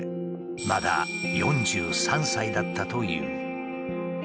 まだ４３歳だったという。